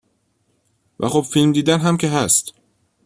و خب فیلم دیدن هم که هست.